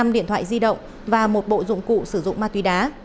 năm điện thoại di động và một bộ dụng cụ sử dụng ma túy đá